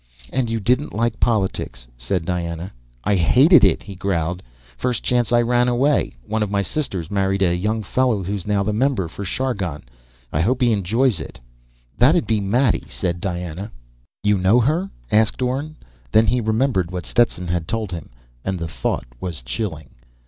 "And you didn't like politics," said Diana. "I hated it!" he growled. "First chance, I ran away. One of my sisters married a young fellow who's now the member for Chargon. I hope he enjoys it!" "That'd be Maddie," said Diana. "You know her?" asked Orne. Then he remembered what Stetson had told him, and the thought was chilling.